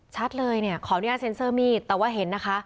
ชัดเลยเนี่ยขออนุญาตเซ็นเซอร์มีดแต่ว่าเห็นนะคะ